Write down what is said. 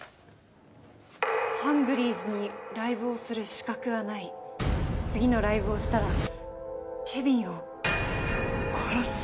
「ハングリーズにライブをする資格はない」「次のライブをしたらケビンを殺す」。